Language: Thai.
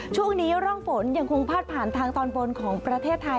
ช่วงนี้ร่องฝนยังคงพาดผ่านทางตอนบนของประเทศไทย